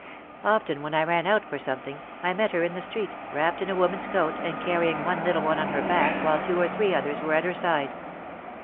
Often when I ran out for something, I met her in the street, wrapped in a woman's coat and carrying one little one on her back while two or three others were at her side.